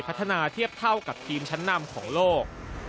พัฒนาเทียบเท่ากับทีมชั้นนำของโลก